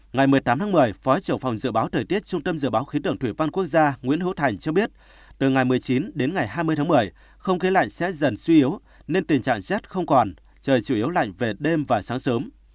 ngày một mươi tám tháng một mươi phó trưởng phòng dự báo thời tiết trung tâm dự báo khí tượng thủy văn quốc gia nguyễn hữu thành cho biết từ ngày một mươi chín đến ngày hai mươi tháng một mươi không khí lạnh sẽ dần suy yếu nên tình trạng rét không còn trời chủ yếu lạnh về đêm và sáng sớm